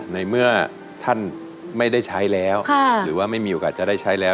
ในเมื่อท่านไม่ได้ใช้แล้วหรือว่าไม่มีโอกาสจะได้ใช้แล้ว